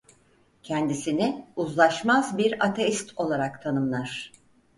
Kendisini "uzlaşmaz bir ateist" olarak tanımlar.